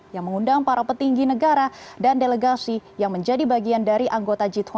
yang mengundang para petinggi negara dan delegasi yang menjadi bagian dari anggota g dua puluh